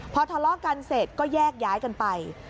พอทะเลาะกันเสร็จก็แยกย้ายกันไป